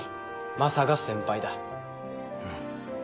マサが先輩だ。